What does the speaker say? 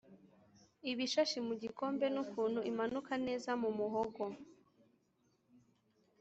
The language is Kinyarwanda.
ibishashi mu gikombe nukuntu imanuka neza mu muhogo